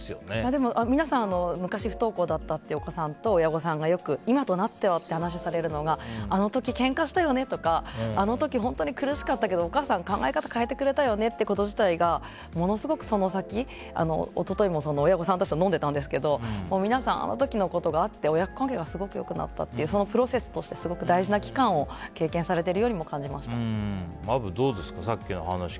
でも、皆さん昔は不登校というお子さんと親御さんが今となってはって話されるのがあの時けんかしたよねとかあの時本当に苦しかったけどお母さん考え方を変えてくれたよねということ自体が一昨日も親御さんたちと飲んでたんですけど皆さんあの時のことがあって親子関係がすごく良くなったってプロセスとしていい期間を経験されているようにもアブ、どうですか？